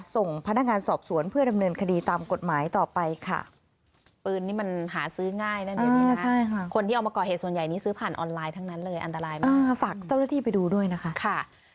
ส่งพนักงานสอบสวนเพื่อดำเนินคดีตามกฎหมายต่อไปค่ะ